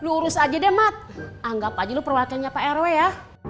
lurus aja deh mat anggap aja lu perwakilannya pak rw ya